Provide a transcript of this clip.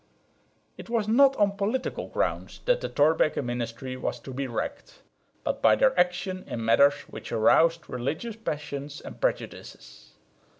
It was not on political grounds that the Thorbecke ministry was to be wrecked, but by their action in matters which aroused religious passions and prejudices.